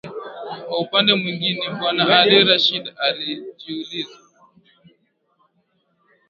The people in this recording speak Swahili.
Kwa upande mwingine Bwana Ali Rashid alijiuliza.